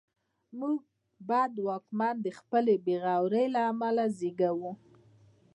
موږ بد واکمن د خپلې بېغورۍ له امله زېږوو.